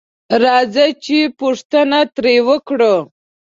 راځه چې پوښتنه تري وکړو